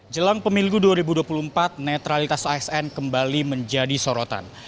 jelang pemilu dua ribu dua puluh empat netralitas asn kembali menjadi sorotan